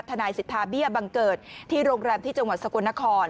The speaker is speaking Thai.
นายสิทธาเบี้ยบังเกิดที่โรงแรมที่จังหวัดสกลนคร